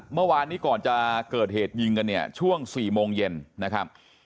เมื่อวานนี้ก่อนจะเกิดเหตุยิงกันเนี่ยช่วง๔โมงเย็นนะครับ